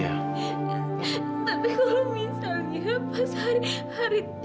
tapi kalau misalnya pas hari hari